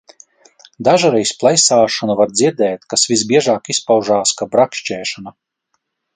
Dažreiz plaisāšanu var dzirdēt, kas visbiežāk izpaužās kā brakšķēšana.